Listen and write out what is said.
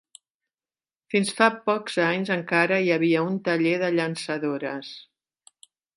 Fins fa pocs anys encara hi havia un taller de llançadores.